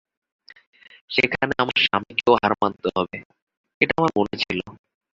সেখানে আমার স্বামীকেও হার মানতে হবে এটা আমার মনে ছিল।